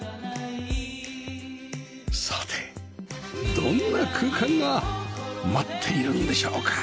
さてどんな空間が待っているんでしょうか？